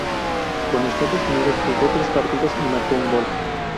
Con Estados Unidos jugó tres partidos y marcó un gol.